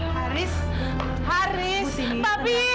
haris haris papi